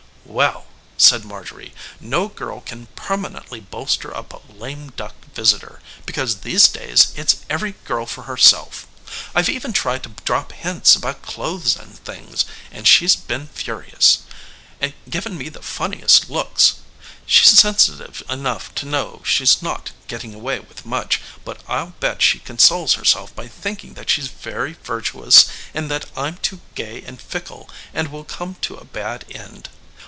"Well," said Marjorie, "no girl can permanently bolster up a lame duck visitor, because these days it's every girl for herself. I've even tried to drop hints about clothes and things, and she's been furious given me the funniest looks. She's sensitive enough to know she's not getting away with much, but I'll bet she consoles herself by thinking that she's very virtuous and that I'm too gay and fickle and will come to a bad end.